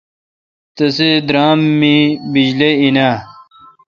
تسے°دراماے° بجلی این آں،؟